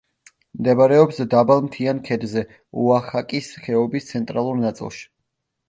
მდებარეობს დაბალ მთიან ქედზე, ოახაკის ხეობის ცენტრალურ ნაწილში.